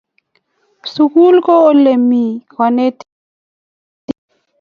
Sukul ko ole mi kanetik ak lakok